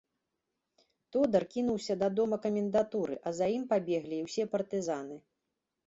Тодар кінуўся да дома камендатуры, а за ім пабеглі і ўсе партызаны.